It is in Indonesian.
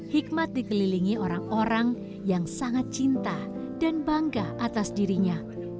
hikmat dikelilingi orang orang yang sangat cinta dan bangga atas dirinya